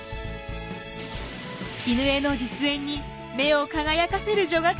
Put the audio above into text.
絹枝の実演に目を輝かせる女学生たち。